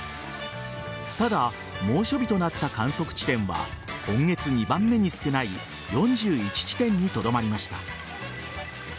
ただ、猛暑日となった観測地点は今月２番目に少ない４１地点にとどまりました。